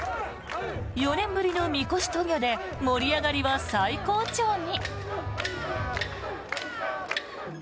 ４年ぶりのみこし渡御で盛り上がりは最高潮に。